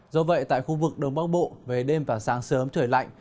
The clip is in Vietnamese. do vậy tại khu vực đông bắc bộ về đêm và sáng sớm trời lạnh